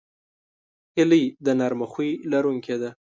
هیلۍ د نرمه خوی لرونکې ده